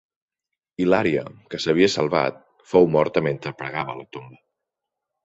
Hilària, que s'havia salvat, fou morta mentre pregava a la tomba.